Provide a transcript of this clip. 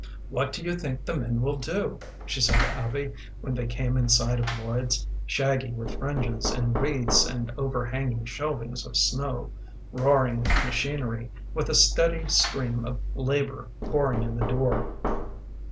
"What do you think the men will do?" she said to Abby when they came in sight of Lloyd's, shaggy with fringes and wreaths and overhanging shelvings of snow, roaring with machinery, with the steady stream of labor pouring in the door.